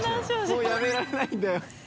もうやめられないんだよ